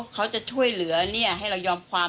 เขาจะช่วยเหลือให้เรายอมความ